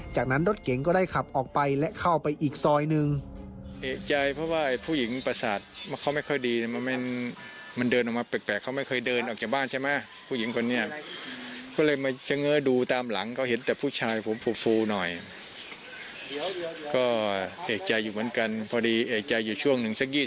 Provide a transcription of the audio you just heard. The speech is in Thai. จากนั้นรถเก๋งก็ได้ขับออกไปและเข้าไปอีกซอยหนึ่ง